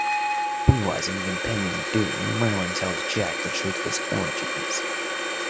Realizing the impending doom, Merlin tells Jack the truth of his origins.